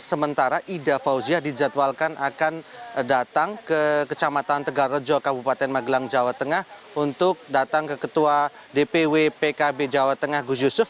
sementara ida fauziah dijadwalkan akan datang ke kecamatan tegal rejo kabupaten magelang jawa tengah untuk datang ke ketua dpw pkb jawa tengah gus yusuf